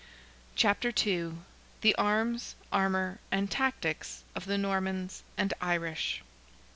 CHAPTER II. THE ARMS, ARMOUR AND TACTICS OF THE NORMANS AND IRISH.